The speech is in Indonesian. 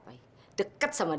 siapa lagi yang akan bantu kita